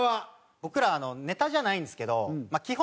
僕らネタじゃないんですけど基本